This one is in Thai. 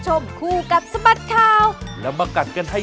สวัสดีค่ะ